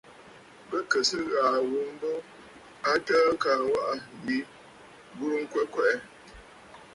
Bɨ kɨ̀ sɨ ghàà ghu mbo a təə kaa waʼà yi burə ŋkwɛ kwɛʼɛ.